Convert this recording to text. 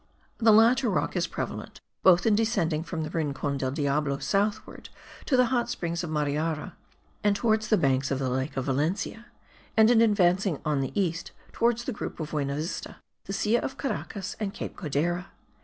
The latter rock is prevalent, both in descending from the Rincon del Diablo southward to the hot springs of Mariara, and towards the banks of the lake of Valencia, and in advancing on the east towards the group of Buenavista, the Silla of Caracas and Cape Codera.